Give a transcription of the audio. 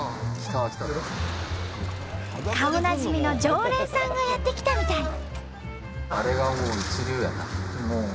顔なじみの常連さんがやって来たみたい。